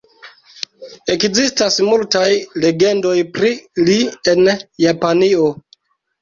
Ekzistas multaj legendoj pri li en Japanio.